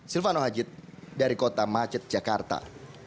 silvano hajid dari kota macet jakarta